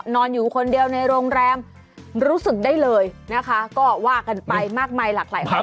นอนอยู่คนเดียวในโรงแรมรู้สึกได้เลยนะคะก็ว่ากันไปมากมายหลากหลายความ